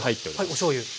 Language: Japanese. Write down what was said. はいおしょうゆ。